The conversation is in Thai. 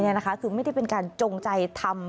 ประมาณนี้คือไม่ได้เป็นการจงใจทำ